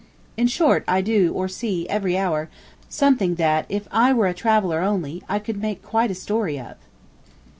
In short, I do, or see, every hour, something that if I were a traveller only, I could make quite a story of.